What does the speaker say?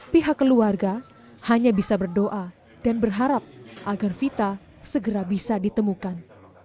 pihak keluarga hanya bisa berdoa dan berharap agar vita segera bisa ditemukan